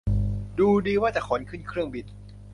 ดูดี ว่าจะขนขึ้นเครื่องบิน